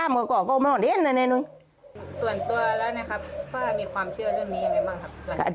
ส่วนตัวแล้วนะครับป้ามีความเชื่อเรื่องนี้ยังไงบ้างครับ